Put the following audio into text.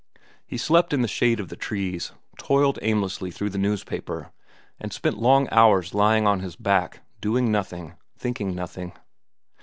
He slept in the shade of the trees, toiled aimlessly through the newspaper, and spent long hours lying on his back, doing nothing, thinking nothing.